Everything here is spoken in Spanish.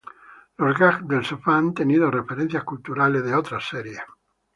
Los gags del sofá han tenido referencias culturales de otras series.